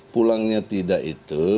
pulangnya tidak itu